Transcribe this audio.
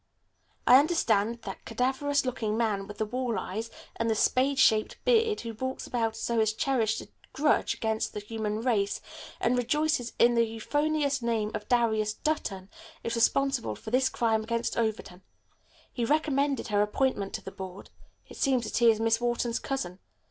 I understand that cadaverous looking man with the wall eyes and the spade shaped, beard, who walks about as though he cherished a grudge against the human race, and rejoices in the euphonious name of Darius Dutton, is responsible for this crime against Overton. He recommended her appointment to the Board. It seems that he is Miss Wharton's cousin.